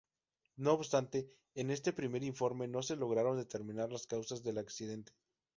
No obstante, en este primer informe no se lograron determinar las causas del accidente.